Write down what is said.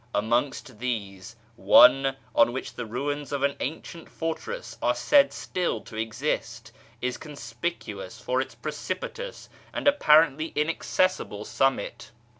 Amongst these one, on which the ruins of an ancient fortress are said still to exist, is conspicuous for its precipitous and apparently inaccessible summit.